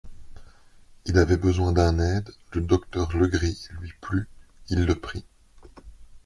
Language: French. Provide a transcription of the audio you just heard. Il avait besoin d'un aide, le docteur Legris lui plut, il le prit.